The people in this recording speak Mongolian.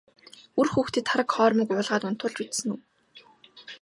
Үр хүүхдээ тараг хоормог уулгаад унтуулж үзсэн үү?